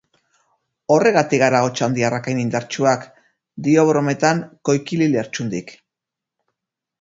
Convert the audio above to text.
Horregatik gara otxandiarrak hain indartsuak, dio brometan Koikili Lertxundik.